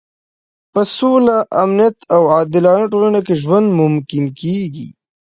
په سوله، امنیت او عادلانه ټولنه کې ژوند ممکن کېږي.